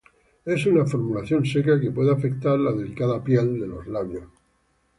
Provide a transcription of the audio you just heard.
Es una formulación seca que puede afectar la delicada piel de los labios.